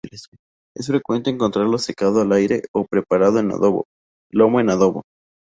Es frecuente encontrarlo secado al aire o preparado en adobo: lomo en adobo.